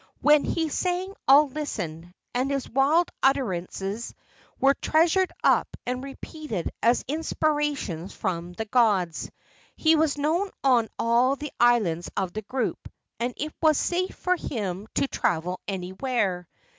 When he sang all listened, and his wild utterances were treasured up and repeated as inspirations from the gods. He was known on all the islands of the group, and it was safe for him to travel anywhere.